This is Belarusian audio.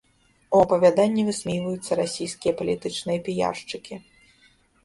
У апавяданні высмейваюцца расійскія палітычныя піяршчыкі.